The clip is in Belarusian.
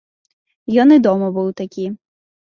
Ён і дома быў такі.